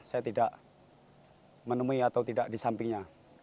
saya tidak menemui atau tidak di sampingnya